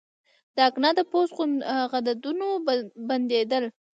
د اکنه د پوست غدودونو بندېدل دي.